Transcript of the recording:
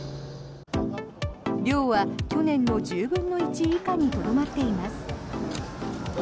量は去年の１０分の１以下にとどまっています。